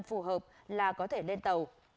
phù hợp là có thể lên tàu